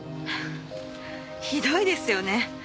ひどいですよね。